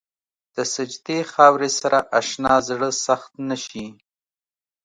د سجدې خاورې سره اشنا زړه سخت نه شي.